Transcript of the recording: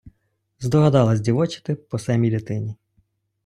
Здогадалась дівочити по семій дитині.